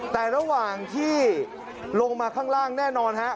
แต่ระหว่างที่ลงมาข้างล่างแน่นอนฮะ